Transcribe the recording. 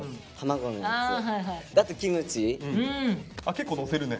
結構のせるね。